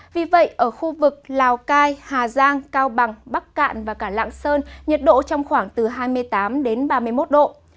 vì vậy ở khu vực lào cai hà giang cao bằng bắc cạn và cả lạng sơn nhiệt độ trong khoảng từ hai mươi tám đến ba mươi một độ